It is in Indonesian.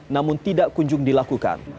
namun tidak kunjung dilakukan